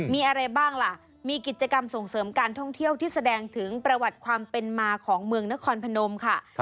มีอะไรบ้างล่ะมีกิจกรรมส่งเสริมการท่องเที่ยวที่แสดงถึงประวัติความเป็นมาของเมืองนครพนมค่ะ